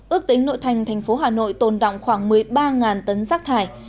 ước tính nội thành tp hà nội tồn đọng khoảng một mươi ba tấn rác thải